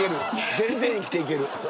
全然生きていける。